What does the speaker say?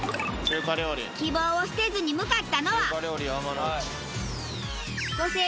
希望を捨てずに向かったのは。